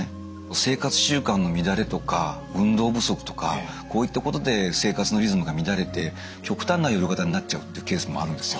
生活習慣の乱れとか運動不足とかこういったことで生活のリズムが乱れて極端な夜型になっちゃうっていうケースもあるんですよ。